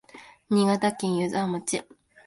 新潟県湯沢町